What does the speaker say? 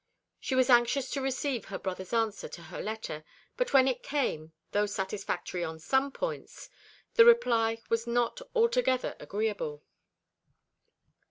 She was anxious to receive her brother's answer to her letter; but when it came, though satisfactory upon some points, the reply was not altogether agreeable.